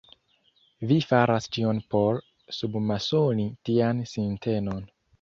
Vi faras ĉion por submasoni tian sintenon.